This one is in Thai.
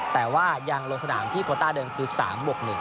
แต่ว่ายังลงสนามที่โคต้าเดิมคือ๓บวก๑